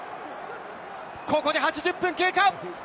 ここで８０分経過。